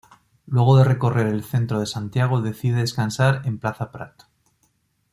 Luego de recorrer el centro de Santiago decide descansar en Plaza Prat.